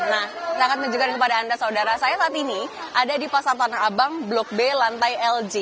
nah saya akan menunjukkan kepada anda saudara saya saat ini ada di pasar tanah abang blok b lantai lj